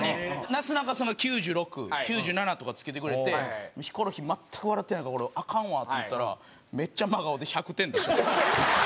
なすなかさんが「９６」「９７」とか付けてくれてヒコロヒー全く笑ってないからこれアカンわって言ったらめっちゃ真顔で「１００点」って。